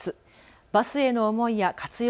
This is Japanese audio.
バスへの思いや活用